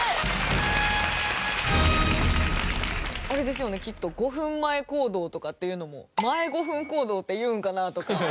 あれですよねきっと５分前行動とかっていうのも前５分行動って言うんかなとか。